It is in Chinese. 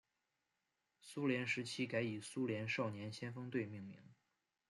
苏联时期改以苏联少年先锋队命名。